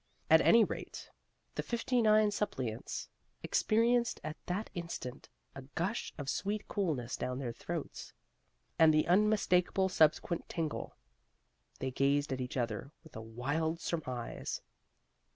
At any rate, the fifty nine suppliants experienced at that instant a gush of sweet coolness down their throats, and the unmistakable subsequent tingle. They gazed at each other with a wild surmise.